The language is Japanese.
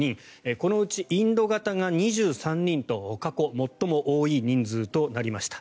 このうちインド型が２３人と過去最も多い人数となりました。